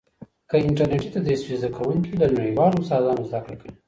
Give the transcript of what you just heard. که انټرنېټي تدریس وي، زده کوونکي له نړیوالو استادانو زده کړه کوي.